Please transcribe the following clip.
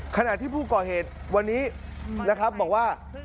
ขณะที่ผู้ก่อเหตุวันนี้นะครับบอกว่า